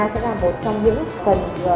sẽ là một trong những phần